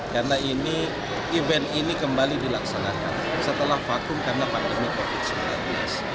karena event ini kembali dilaksanakan setelah vakum karena pandemi covid sembilan belas